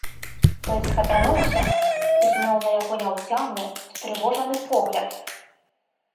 Той схапянуўся, узняў на яго няўцямны, устрывожаны погляд.